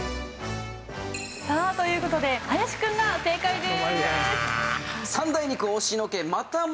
さあという事で林くんが正解です。